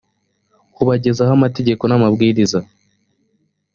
kubagezaho amategeko n’amabwiriza